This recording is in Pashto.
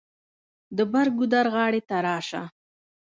د بر ګودر غاړې ته راشه.